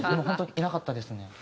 本当にいなかったですね。